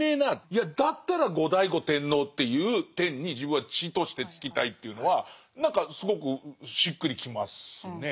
いやだったら後醍醐天皇という天に自分は地としてつきたいというのは何かすごくしっくりきますね。